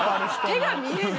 手が見える？